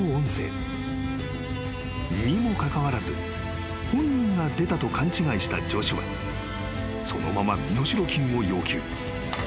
［にもかかわらず本人が出たと勘違いしたジョシュはそのまま身代金を要求］